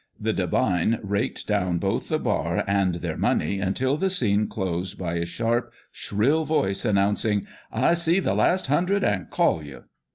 The divine raked down both the bar and their money, until the scene closed by a sharp, shrill voice announcing, " I see the last hundred, and call you."